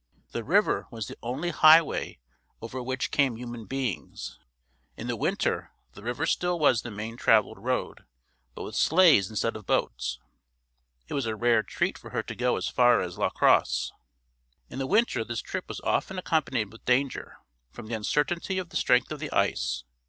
The river was the only highway over which came human beings. In the winter the river still was the main traveled road, but with sleighs instead of boats. It was a rare treat for her to go as far as La Crosse. In the winter this trip was often accompanied with danger, from the uncertainty of the strength of the ice.